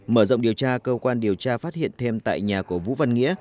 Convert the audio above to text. mở rộng điều tra cơ quan điều tra phát hiện thêm tại nhà của vũ văn nghĩa